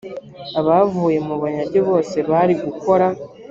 abavuye mu bunyage bose bari gukora.